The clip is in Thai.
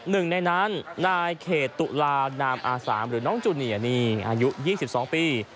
หนึ่งในนั้นนายเขตตุลานามอาสามหรือน้องจูเนียนี่อายุ๒๒ปี